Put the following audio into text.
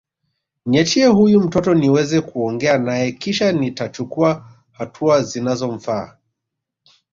Niachie huyu mtoto niweze kuongea naye kisha nitachukua hatua zinazomfaa